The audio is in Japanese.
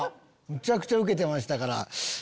むちゃくちゃウケてましたから。